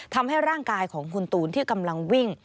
ทำให้ร่างกายของคุณตูนที่กำลังวิ่ง